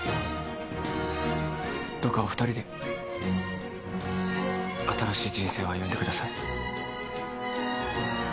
どうかお２人で新しい人生を歩んでください。